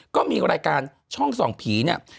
ก็มีรายการช่องส่องผีเนี่ย